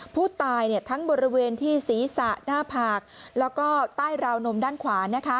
ผู้ตายทั้งบริเวณที่ศีรษะหน้าผากแล้วก็ใต้ราวนมด้านขวา